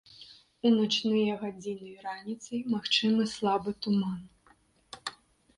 У начныя гадзіны і раніцай магчымы слабы туман.